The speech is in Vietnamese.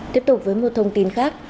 tiếp tục với một thông tin khác